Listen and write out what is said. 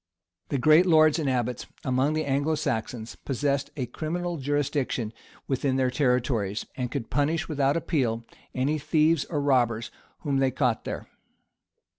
] The great lords and abbots among the Anglo Saxons possessed a criminal jurisdiction within their territories, and could punish without appeal any thieves or robbers whom they caught there.